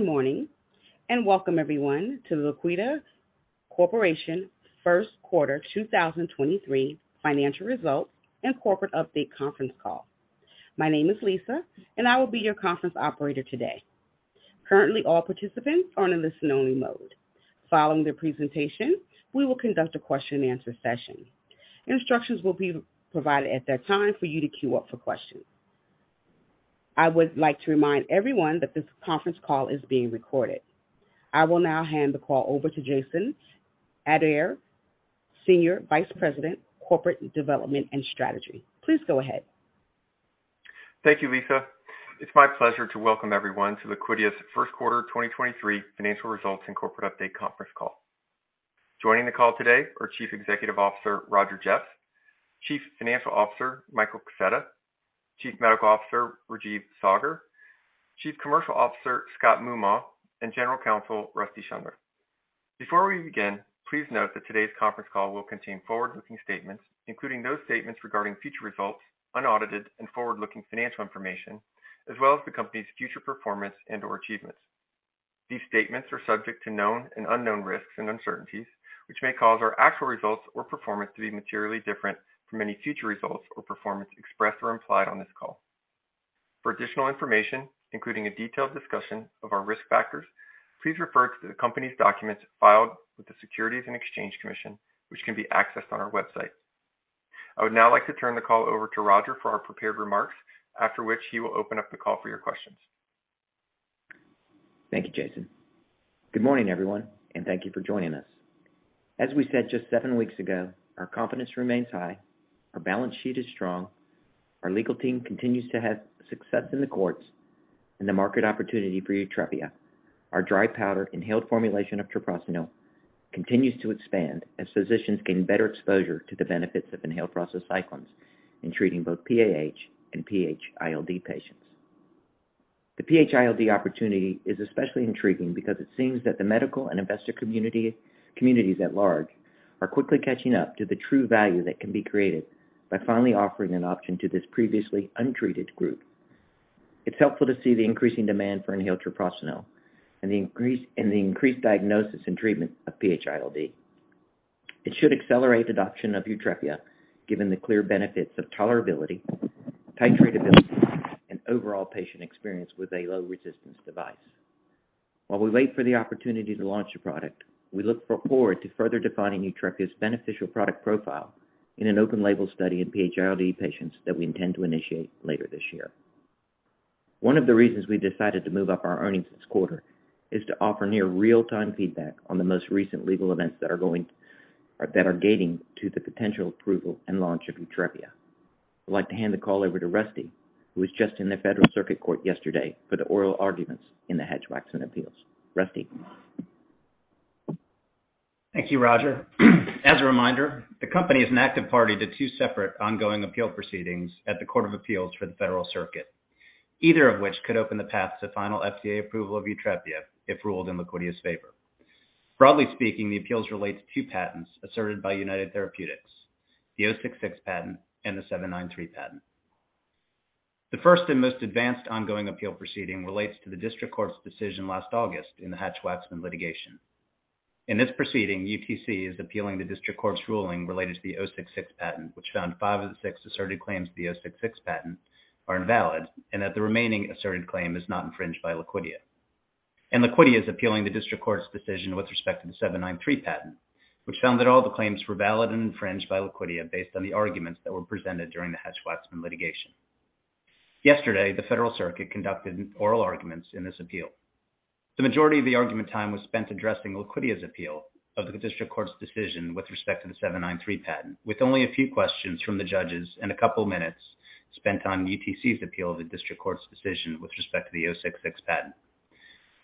Good morning, and welcome everyone to Liquidia Corporation first quarter 2023 financial results and corporate update conference call. My name is Lisa, and I will be your conference operator today. Currently, all participants are in listen only modJason Adair, Senior Vice President, Corporate Development and Strategy. Following the presentation, we will conduct a question and answer session. Instructions will be provided at that time for you to queue up for questions. I would like to remind everyone that this conference call is being recorded. I will now hand the call over to Jason Adair, Senior Vice President, Corporate Development and Strategy. Please go ahead. Thank you, Lisa. It's my pleasure to welcome everyone to Liquidia's first quarter 2023 financial results and corporate update conference call. Joining the call today are Chief Executive Officer Roger Jeffs, Chief Financial Officer Michael Kaseta, Chief Medical Officer Rajeev Saggar, Chief Commercial Officer Scott Moomaw, and General Counsel Rusty Schundler. Before we begin, please note that today's conference call will contain forward-looking statements, including those statements regarding future results, unaudited and forward-looking financial information, as well as the company's future performance and or achievements. These statements are subject to known and unknown risks and uncertainties, which may cause our actual results or performance to be materially different from any future results or performance expressed or implied on this call. For additional information, including a detailed discussion of our risk factors, please refer to the company's documents filed with the Securities and Exchange Commission, which can be accessed on our website. I would now like to turn the call over to Roger for our prepared remarks. After which he will open up the call for your questions. Thank you, Jason. Good morning, everyone, and thank you for joining us. As we said just seven weeks ago, our confidence remains high. Our balance sheet is strong. Our legal team continues to have success in the courts and the market opportunity for YUTREPIA. Our dry powder inhaled formulation of treprostinil continues to expand as physicians gain better exposure to the benefits of inhaled prostacyclins in treating both PAH and PH-ILD patients. The PH-ILD opportunity is especially intriguing because it seems that the medical and investor communities at large are quickly catching up to the true value that can be created by finally offering an option to this previously untreated group. It's helpful to see the increasing demand for inhaled treprostinil and the increased diagnosis and treatment of PH-ILD. It should accelerate adoption of YUTREPIA, given the clear benefits of tolerability, titratability, and overall patient experience with a low resistance device. While we wait for the opportunity to launch a product, we look forward to further defining YUTREPIA's beneficial product profile in an open label study in PH-ILD patients that we intend to initiate later this year. One of the reasons we decided to move up our earnings this quarter is to offer near real-time feedback on the most recent legal events that are gating to the potential approval and launch of YUTREPIA. I'd like to hand the call over to Rusty, who was just in the U.S. Court of Appeals for the Federal Circuit yesterday for the oral arguments in the Hatch-Waxman appeals. Rusty. Thank you, Roger. As a reminder, the company is an active party to two separate ongoing appeal proceedings at the U.S. Court of Appeals for the Federal Circuit, either of which could open the path to final FDA approval of YUTREPIA if ruled in Liquidia's favor. Broadly speaking, the appeals relate to two patents asserted by United Therapeutics, the '066 patent and the '793 patent. The first and most advanced ongoing appeal proceeding relates to the district court's decision last August in the Hatch-Waxman litigation. In this proceeding, UTC is appealing the district court's ruling related to the '066 patent, which found five of the six asserted claims of the '066 patent are invalid, and that the remaining asserted claim is not infringed by Liquidia. Liquidia is appealing the district court's decision with respect to the '793 patent, which found that all the claims were valid and infringed by Liquidia based on the arguments that were presented during the Hatch-Waxman litigation. Yesterday, the Federal Circuit conducted oral arguments in this appeal. The majority of the argument time was spent addressing Liquidia's appeal of the district court's decision with respect to the '793 patent, with only a few questions from the judges and a couple minutes spent on UTC's appeal of the district court's decision with respect to the '066 patent.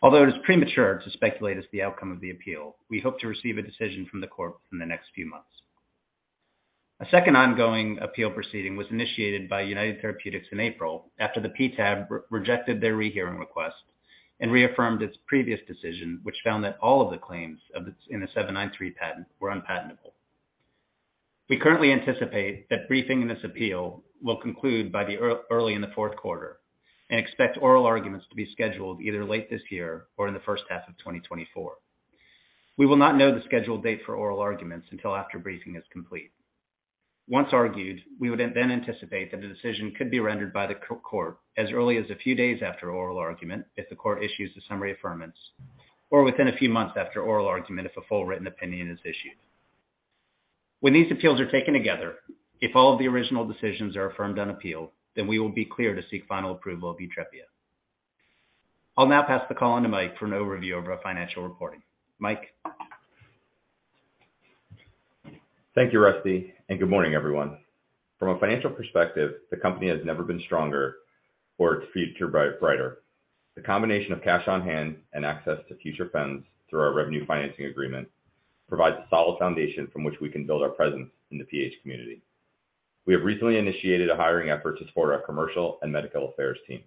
Although it is premature to speculate as to the outcome of the appeal, we hope to receive a decision from the court in the next few months. A second ongoing appeal proceeding was initiated by United Therapeutics in April after the PTAB rejected their rehearing request and reaffirmed its previous decision, which found that all of the claims in the '793 patent were unpatentable. We currently anticipate that briefing in this appeal will conclude by early in the fourth quarter and expect oral arguments to be scheduled either late this year or in the first half of 2024. We will not know the scheduled date for oral arguments until after briefing is complete. Once argued, we would then anticipate that a decision could be rendered by the court as early as a few days after oral argument if the court issues the summary affirmance or within a few months after oral argument if a full written opinion is issued. When these appeals are taken together, if all of the original decisions are affirmed on appeal, then we will be clear to seek final approval of YUTREPIA. I'll now pass the call on to Mike for an overview of our financial reporting. Mike. Thank you, Rusty. Good morning, everyone. From a financial perspective, the company has never been stronger or its future brighter. The combination of cash on hand and access to future funds through our revenue financing agreement provides a solid foundation from which we can build our presence in the PH community. We have recently initiated a hiring effort to support our commercial and medical affairs teams.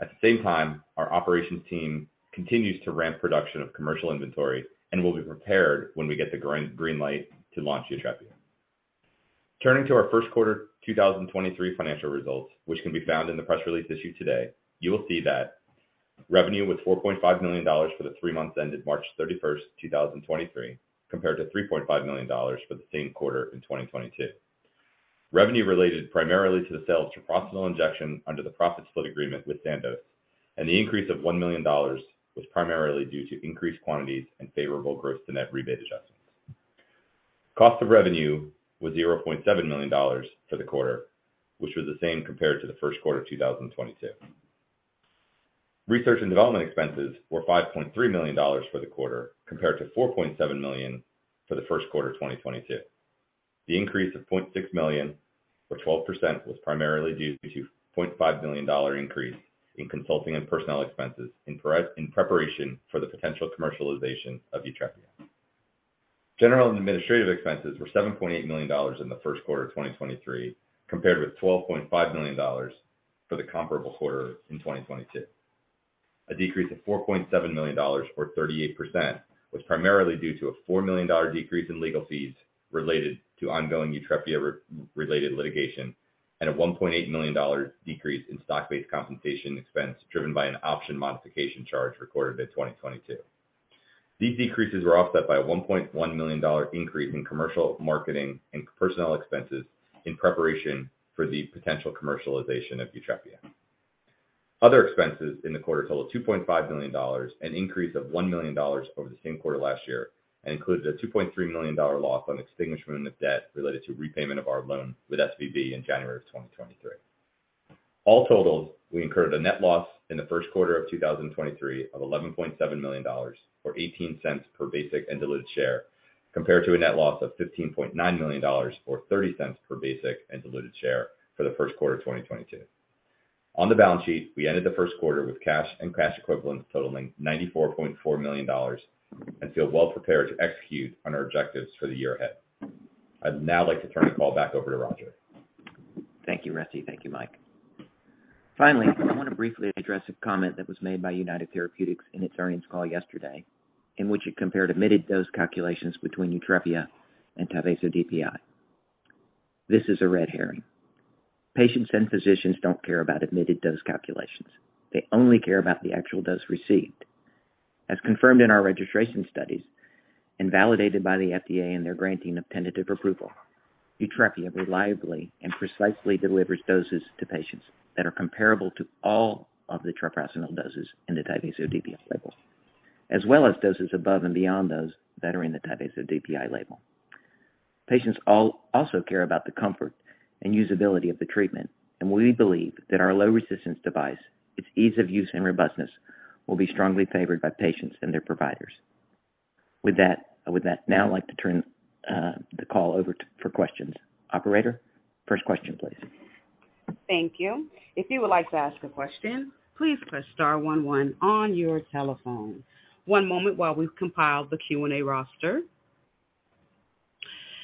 At the same time, our operations team continues to ramp production of commercial inventory and will be prepared when we get the green light to launch YUTREPIA. Turning to our first quarter 2023 financial results, which can be found in the press release issued today. You will see that revenue was $4.5 million for the three months ended March 31st, 2023, compared to $3.5 million for the same quarter in 2022. Revenue related primarily to the sales to Treprostinil Injection under the profit split agreement with Sandoz. The increase of $1 million was primarily due to increased quantities and favorable gross to net rebate adjustments. Cost of revenue was $0.7 million for the quarter, which was the same compared to the first quarter of 2022. Research and development expenses were $5.3 million for the quarter, compared to $4.7 million for the first quarter of 2022. The increase of $0.6 million, or 12%, was primarily due to a $0.5 million increase in consulting and personnel expenses in preparation for the potential commercialization of YUTREPIA. General and administrative expenses were $7.8 million in the first quarter of 2023, compared with $12.5 million for the comparable quarter in 2022. A decrease of $4.7 million or 38% was primarily due to a $4 million decrease in legal fees related to ongoing YUTREPIA-related litigation and a $1.8 million decrease in stock-based compensation expense driven by an option modification charge recorded in 2022. These decreases were offset by a $1.1 million increase in commercial marketing and personnel expenses in preparation for the potential commercialization of YUTREPIA. Other expenses in the quarter totaled $2.5 million, an increase of $1 million over the same quarter last year and includes a $2.3 million loss on extinguishment of debt related to repayment of our loan with SVB in January 2023. All total, we incurred a net loss in the first quarter of 2023 of $11.7 million or $0.18 per basic and diluted share, compared to a net loss of $15.9 million or $0.30 per basic and diluted share for the first quarter of 2022. On the balance sheet, we ended the first quarter with cash and cash equivalents totaling $94.4 million and feel well prepared to execute on our objectives for the year ahead. I'd now like to turn the call back over to Roger. Thank you, Rusty. Thank you, Mike. Finally, I want to briefly address a comment that was made by United Therapeutics in its earnings call yesterday in which it compared emitted dose calculations between YUTREPIA and Tyvaso DPI. This is a red herring. Patients and physicians don't care about emitted dose calculations. They only care about the actual dose received. As confirmed in our registration studies and validated by the FDA and their granting of tentative approval, YUTREPIA reliably and precisely delivers doses to patients that are comparable to all of the treprostinil doses in the Tyvaso DPI label, as well as doses above and beyond those that are in the Tyvaso DPI label. Patients also care about the comfort and usability of the treatment, and we believe that our low resistance device, its ease of use and robustness will be strongly favored by patients and their providers. With that, I would now like to turn the call over to for questions. Operator, first question, please. Thank you. If you would like to ask a question, please press Star One One on your telephone. One moment while we compile the Q&A roster.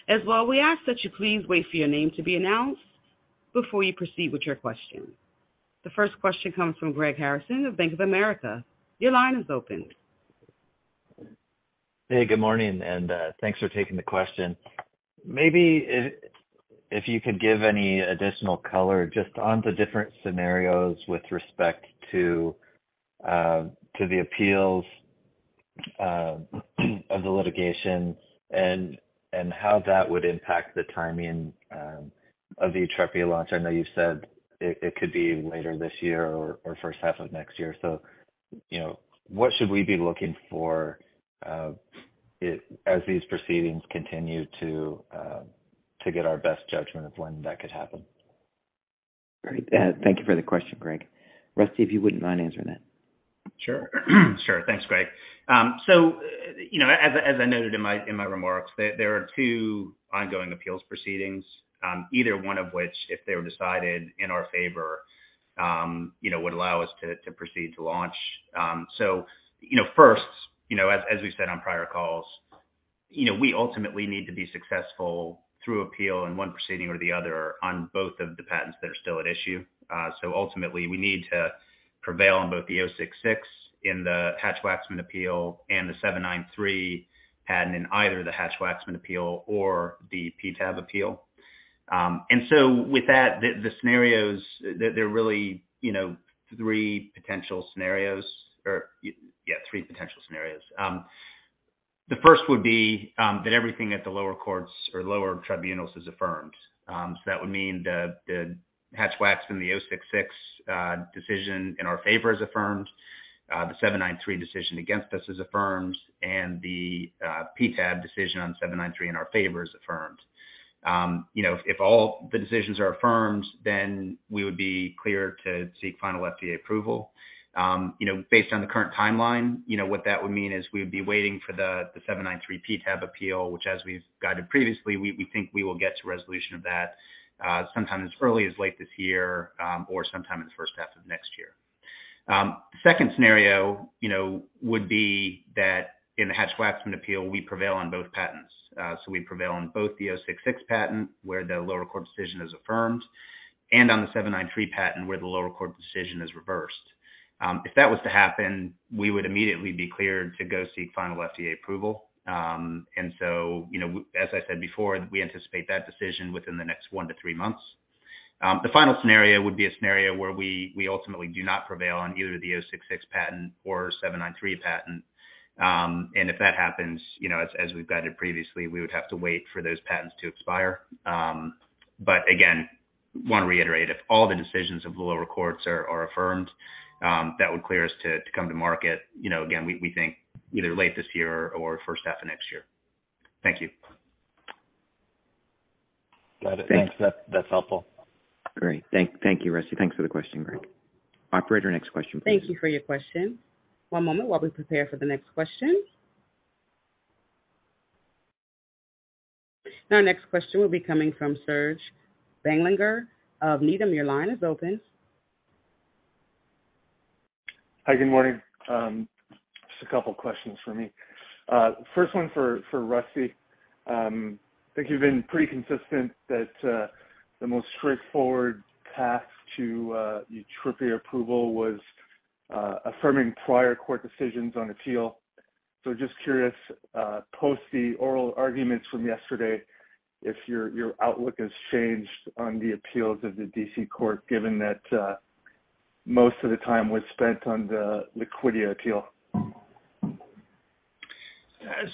As well, we ask that you please wait for your name to be announced before you proceed with your question. The first question comes from Greg Harrison of Bank of America. Your line is open. Hey, good morning, and thanks for taking the question. Maybe if you could give any additional color just on the different scenarios with respect to to the appeals of the litigation and how that would impact the timing of the YUTREPIA launch. I know you said it could be later this year or first half of next year. you know, what should we be looking for as these proceedings continue to get our best judgment of when that could happen? Great. Thank you for the question, Greg. Rusty, if you wouldn't mind answering that. Sure. Sure. Thanks, Greg Harrison. You know, as I noted in my remarks, there are two ongoing appeals proceedings, either one of which, if they were decided in our favor, you know, would allow us to proceed to launch. You know, first, you know, as we've said on prior calls, you know, we ultimately need to be successful through appeal in one proceeding or the other on both of the patents that are still at issue. Ultimately we need to prevail on both the '066 patent in the Hatch-Waxman appeal and the '793 patent in either the Hatch-Waxman appeal or the PTAB appeal. With that, the scenarios, they're really, you know, three potential scenarios or, yeah, three potential scenarios. The first would be that everything at the lower courts or lower tribunals is affirmed. That would mean the Hatch-Waxman, the '066 decision in our favor is affirmed, the '793 decision against us is affirmed, and the PTAB decision on '793 in our favor is affirmed. You know, if all the decisions are affirmed, then we would be clear to seek final FDA approval. You know, based on the current timeline, you know what that would mean is we would be waiting for the '793 PTAB appeal, which as we've guided previously, we think we will get to resolution of that sometime as early as late this year or sometime in the first half of next year. Second scenario, you know, would be that in the Hatch-Waxman appeal we prevail on both patents. We prevail on both the '066 patent where the lower court decision is affirmed. On the '793 patent where the lower court decision is reversed. If that was to happen, we would immediately be cleared to go seek final FDA approval. You know, as I said before, we anticipate that decision within the next one to three months. The final scenario would be a scenario where we ultimately do not prevail on either the '066 patent or '793 patent. If that happens, you know, as we've guided previously, we would have to wait for those patents to expire. Want to reiterate, if all the decisions of the lower courts are affirmed, that would clear us to come to market. You know, again, we think either late this year or first half of next year. Thank you. Glad to. Thanks. That's helpful. Great. Thank you, Rusty. Thanks for the question, Greg. Operator, next question please. Thank you for your question. One moment while we prepare for the next question. Our next question will be coming from Serge Belanger of Needham & Company. Your line is open. Hi, good morning. Just a couple questions for me. First one for Rusty. I think you've been pretty consistent that the most straightforward path to YUTREPIA approval was affirming prior court decisions on appeal. Just curious, post the oral arguments from yesterday, if your outlook has changed on the appeals of the D.C. Court, given that most of the time was spent on the Liquidia appeal.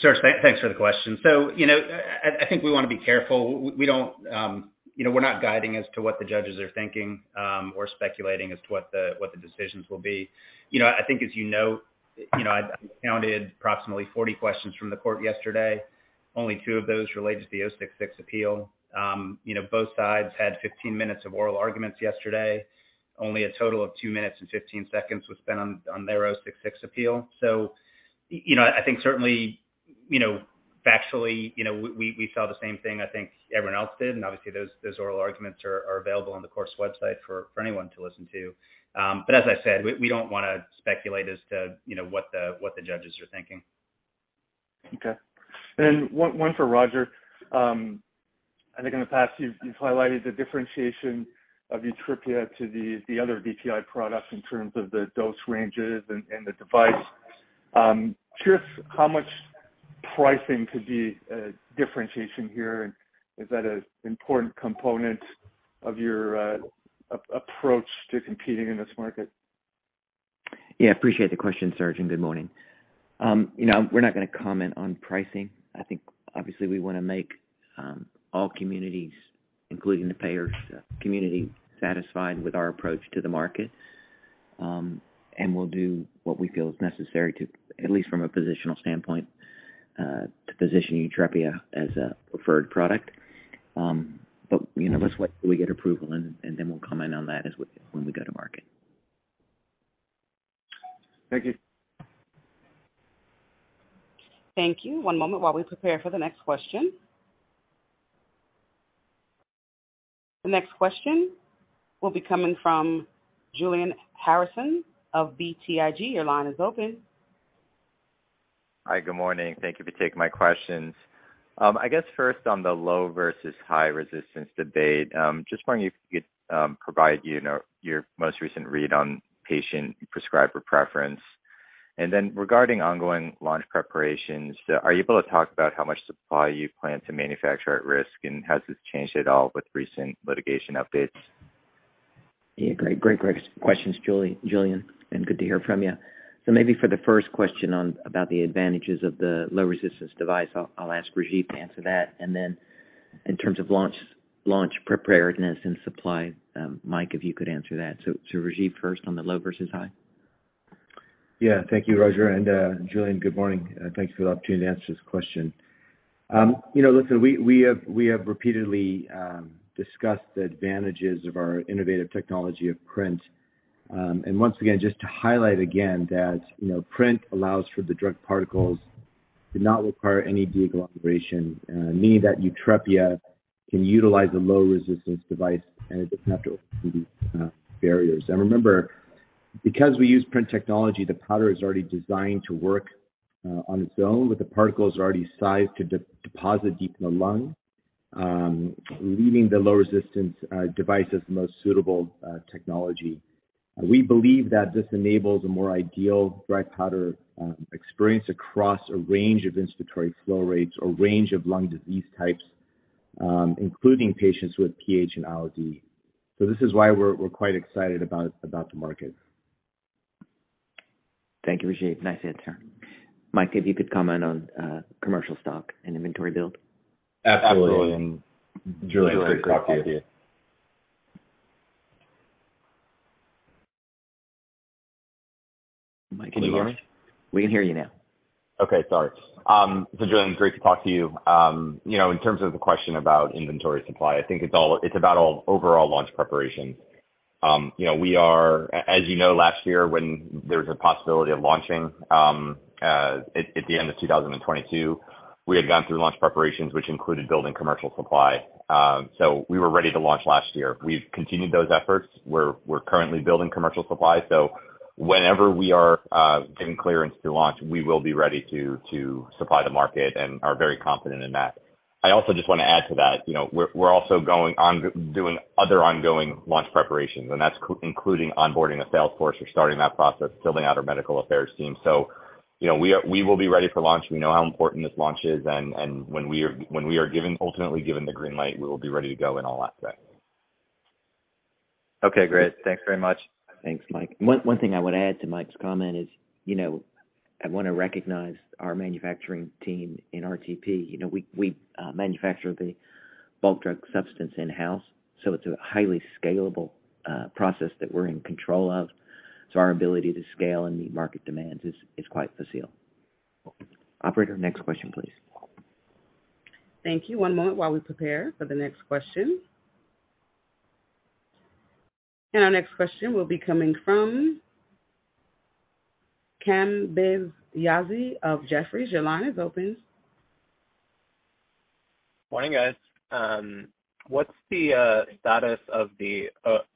Serge, thanks for the question. You know, I think we wanna be careful. We don't, you know, we're not guiding as to what the judges are thinking, or speculating as to what the decisions will be. You know, I think as you note, you know, I counted approximately 40 questions from the court yesterday. Only two of those related to the '066 appeal. You know, both sides had 15 minutes of oral arguments yesterday. Only a total of two minutes and 15 seconds was spent on their '066 appeal. You know, I think certainly, you know, factually, you know, we saw the same thing I think everyone else did, and obviously those oral arguments are available on the court's website for anyone to listen to. As I said, we don't wanna speculate as to, you know, what the judges are thinking. Okay. One, one for Roger. I think in the past you've highlighted the differentiation of YUTREPIA to the other DPI products in terms of the dose ranges and the device. Curious how much pricing could be a differentiation here, and is that an important component of your approach to competing in this market? Yeah, appreciate the question, Serge, good morning. You know, we're not gonna comment on pricing. I think obviously we wanna make all communities, including the payers community, satisfied with our approach to the market. We'll do what we feel is necessary to, at least from a positional standpoint, to position YUTREPIA as a preferred product. You know, let's wait till we get approval and then we'll comment on that when we go to market. Thank you. Thank you. One moment while we prepare for the next question. The next question will be coming from Julian Harrison of BTIG. Your line is open. Good morning. Thank you for taking my questions. I guess first on the low versus high resistance debate, just wondering if you could, provide, you know, your most recent read on patient prescriber preference. Regarding ongoing launch preparations, are you able to talk about how much supply you plan to manufacture at risk, and has this changed at all with recent litigation updates? Yeah, great questions, Julian, and good to hear from you. Maybe for the first question about the advantages of the low resistance device, I'll ask Rajeev to answer that. Then in terms of launch preparedness and supply, Michael, if you could answer that. Rajeev first on the low versus high. Yeah. Thank you, Roger. Julian, good morning. Thanks for the opportunity to answer this question. You know, listen, we have repeatedly discussed the advantages of our innovative technology of PRINT. Once again, just to highlight again that, you know, PRINT allows for the drug particles to not require any de-aggregation, meaning that YUTREPIA can utilize a low resistance device and it doesn't have to barriers. Remember, because we use PRINT technology, the powder is already designed to work on its own, with the particles already sized to de-deposit deep in the lung, leaving the low resistance device as the most suitable technology. We believe that this enables a more ideal dry powder experience across a range of inspiratory flow rates or range of lung disease types, including patients with PH and ILD. This is why we're quite excited about the market. Thank you, Rajeev. Nice answer. Michael, if you could comment on commercial stock and inventory build. Absolutely. Julian, great to talk to you. Mike, can you hear me? We can hear you now. Okay, sorry. Julian, great to talk to you. You know, in terms of the question about inventory supply, I think it's about all overall launch preparation. You know, as you know, last year, when there was a possibility of launching, at the end of 2022, we had gone through launch preparations, which included building commercial supply. We were ready to launch last year. We've continued those efforts. We're currently building commercial supply. Whenever we are given clearance to launch, we will be ready to supply the market and are very confident in that. I also just want to add to that, you know, we're also going on doing other ongoing launch preparations, and that's including onboarding the sales force. We're starting that process, building out our medical affairs team. You know, we will be ready for launch. We know how important this launch is and when we are ultimately given the green light, we will be ready to go in all aspects. Okay, great. Thanks very much. Thanks, Mike. One thing I would add to Mike's comment is, you know, I wanna recognize our manufacturing team in RTP. You know, we manufacture the bulk drug substance in-house, so it's a highly scalable process that we're in control of. Our ability to scale and meet market demands is quite facile. Operator, next question please. Thank you. One moment while we prepare for the next question. Our next question will be coming from Kambiz Yazdi of Jefferies. Your line is open. Morning, guys. What's the status of the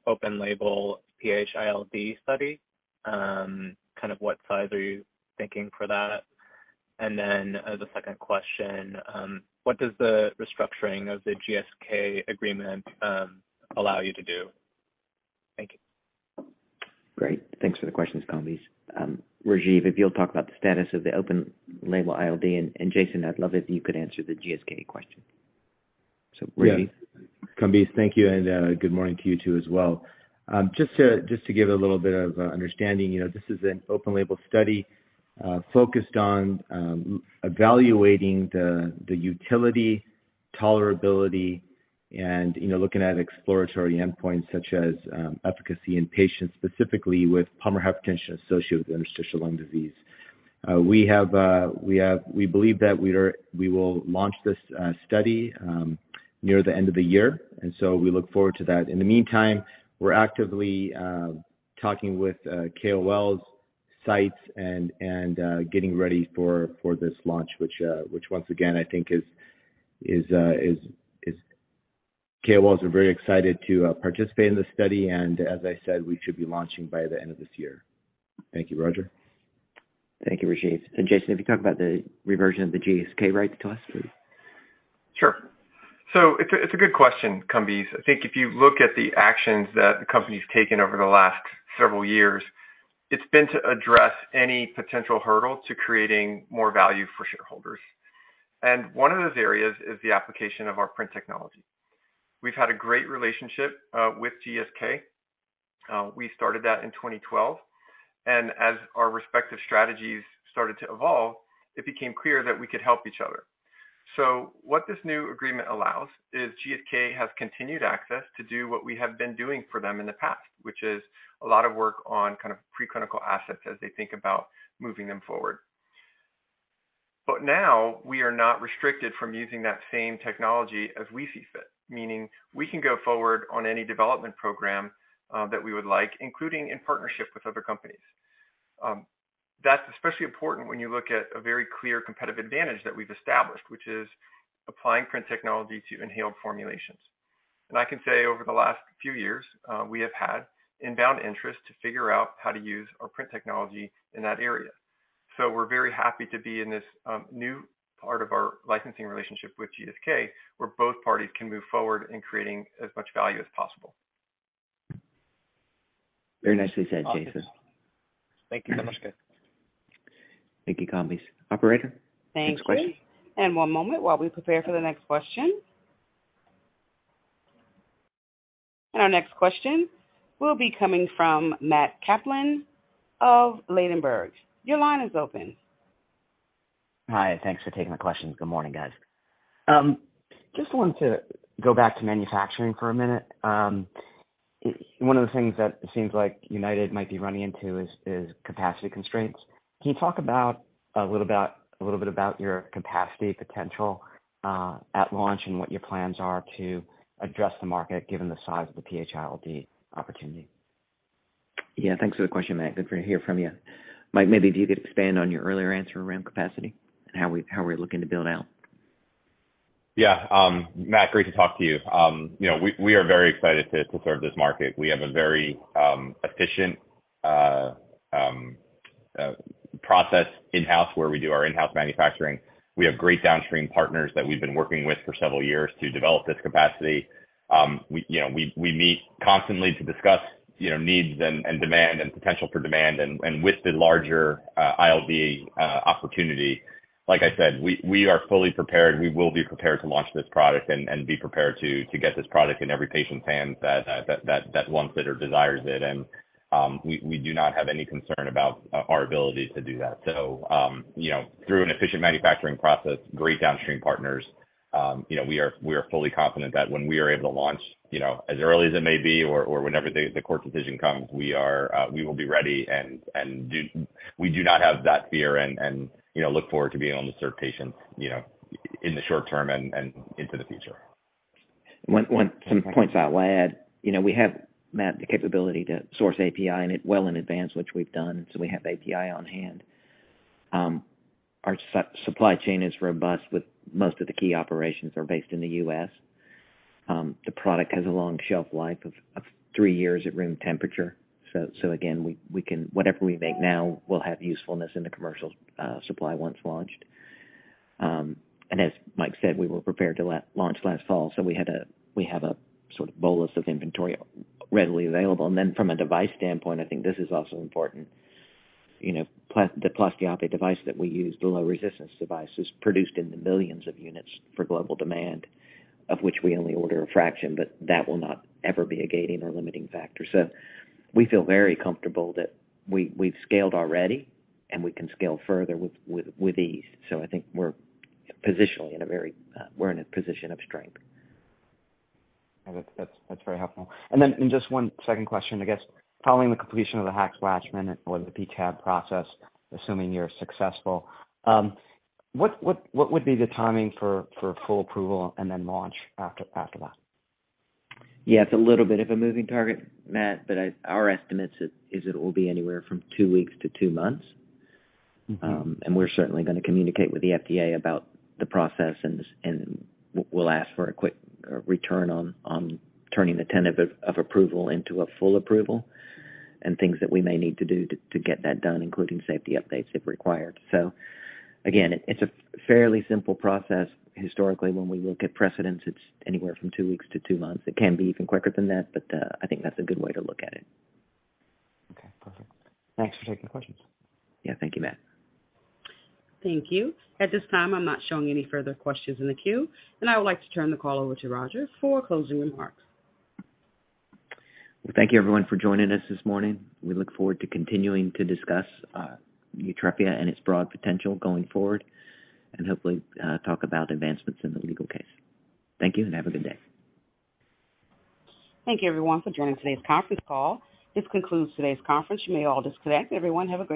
open label PH-ILD study? Kind of what size are you thinking for that? As a second question, what does the restructuring of the GSK agreement allow you to do? Thank you. Great. Thanks for the questions, Kambiz. Rajeev, if you'll talk about the status of the open label ILD, and Jason, I'd love if you could answer the GSK question. Rajeev. Yes. Kambiz, thank you, and good morning to you too as well. Just to give a little bit of understanding, you know, this is an open-label study, focused on evaluating the utility, tolerability and, you know, looking at exploratory endpoints such as efficacy in patients specifically with pulmonary hypertension associated with interstitial lung disease. We believe that we will launch this study near the end of the year, so we look forward to that. In the meantime, we're actively talking with KOLs, sites and getting ready for this launch which once again, I think is. KOLs are very excited to participate in this study, and as I said, we should be launching by the end of this year. Thank you, Roger. Thank you, Rajiv. Jason, if you talk about the reversion of the GSK right to us, please. Sure. It's a good question, Kambiz. I think if you look at the actions that the company's taken over the last several years, it's been to address any potential hurdle to creating more value for shareholders. One of those areas is the application of our PRINT technology. We've had a great relationship with GSK. We started that in 2012, and as our respective strategies started to evolve, it became clear that we could help each other. What this new agreement allows is GSK has continued access to do what we have been doing for them in the past, which is a lot of work on kind of pre-clinical assets as they think about moving them forward. Now we are not restricted from using that same technology as we see fit, meaning we can go forward on any development program that we would like, including in partnership with other companies. That's especially important when you look at a very clear competitive advantage that we've established, which is applying PRINT technology to inhaled formulations. I can say over the last few years, we have had inbound interest to figure out how to use our PRINT technology in that area. We're very happy to be in this new part of our licensing relationship with GSK, where both parties can move forward in creating as much value as possible. Very nicely said, Jason. Awesome. Thank you so much. Thank you, Kambiz. Operator, next question. Thank you. One moment while we prepare for the next question. Our next question will be coming from Matt Kaplan of Ladenburg. Your line is open. Hi. Thanks for taking the questions. Good morning, guys. Just wanted to go back to manufacturing for a minute. One of the things that seems like United might be running into is capacity constraints. Can you talk about a little bit about your capacity potential at launch and what your plans are to address the market given the size of the PH-ILD opportunity? Thanks for the question, Matt. Good to hear from you. Mike, maybe do you could expand on your earlier answer around capacity and how we, how we're looking to build out. Yeah. Matt, great to talk to you. You know, we are very excited to serve this market. We have a very efficient process in-house where we do our in-house manufacturing. We have great downstream partners that we've been working with for several years to develop this capacity. We, you know, we meet constantly to discuss, you know, needs and demand and potential for demand. With the larger ILD opportunity, like I said, we are fully prepared. We will be prepared to launch this product and be prepared to get this product in every patient's hands that wants it or desires it. We do not have any concern about our ability to do that. You know, through an efficient manufacturing process, great downstream partners, you know, we are fully confident that when we are able to launch, you know, as early as it may be or whenever the court decision comes, we will be ready. We do not have that fear and, you know, look forward to being able to serve patients, you know, in the short term and into the future. One. Some points I will add, you know, we have, Matt, the capability to source API and it well in advance, which we've done, so we have API on hand. Our supply chain is robust with most of the key operations are based in the U.S. The product has a long shelf life of three years at room temperature. Again, we can- whatever we make now will have usefulness in the commercial supply once launched. And as Mike said, we were prepared to launch last fall, so we have a sort of bolus of inventory readily available. From a device standpoint, I think this is also important, you know, the Plastiape device that we use, the low resistance device, is produced in the millions of units for global demand, of which we only order a fraction, but that will not ever be a gating or limiting factor. We feel very comfortable that we've scaled already, and we can scale further with ease. I think we're positionally in a very, we're in a position of strength. That's very helpful. Just one second question, I guess. Following the completion of the Hatch-Waxman or the PTAB process, assuming you're successful, what would be the timing for full approval and then launch after that? It's a little bit of a moving target, Matt. Our estimates is it will be anywhere from two weeks to two months. We're certainly gonna communicate with the FDA about the process and this, and we'll ask for a quick return on turning the tentative of approval into a full approval and things that we may need to do to get that done, including safety updates if required. Again, it's a fairly simple process. Historically, when we look at precedents, it's anywhere from two weeks to two months. It can be even quicker than that, but I think that's a good way to look at it. Okay, perfect. Thanks for taking the questions. Yeah. Thank you, Matt. Thank you. At this time, I'm not showing any further questions in the queue, and I would like to turn the call over to Roger for closing remarks. Well, thank you everyone for joining us this morning. We look forward to continuing to discuss, YUTREPIA and its broad potential going forward, and hopefully, talk about advancements in the legal case. Thank you, and have a good day. Thank you everyone for joining today's conference call. This concludes today's conference. You may all disconnect. Everyone have a great day.